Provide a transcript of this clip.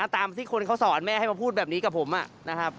ตามที่คนเขาสอนแม่ให้มาพูดแบบนี้กับผมนะครับ